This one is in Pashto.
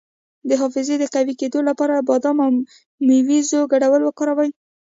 د حافظې د قوي کیدو لپاره د بادام او مویزو ګډول وکاروئ